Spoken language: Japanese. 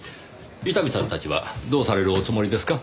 伊丹さんたちはどうされるおつもりですか？